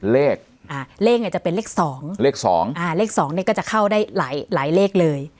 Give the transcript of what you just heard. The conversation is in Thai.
เลขอ่าเลขเนี่ยจะเป็นเลขสองเลขสองอ่าเลขสองเนี่ยก็จะเข้าได้หลายหลายเลขเลย